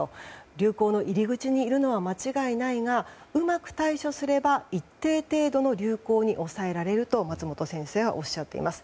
流行の入り口にいるのは間違いないがうまく対処すれば一定程度の流行に抑えられると松本先生はおっしゃっています。